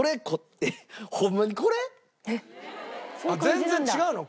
全然違うの？